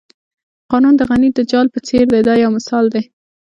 قانون د غڼې د جال په څېر دی دا یو مثال دی.